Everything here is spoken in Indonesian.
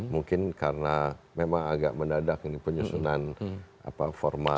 mungkin karena memang agak mendadak ini penyusunan formal